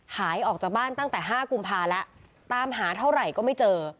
หายออกจากบ้านตั้งแต่๕กุมภาแล้วตามหาเท่าไหร่ก็ไม่เจอ